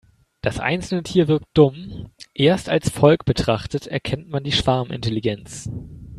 Das einzelne Tier wirkt dumm, erst als Volk betrachtet erkennt man die Schwarmintelligenz.